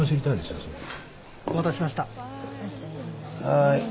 はい。